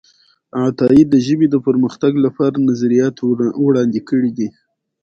عطايي د ژبې د پرمختګ لپاره نظریات وړاندې کړي دي.